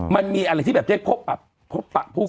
มันมีอะไรที่แบบได้พบผู้คน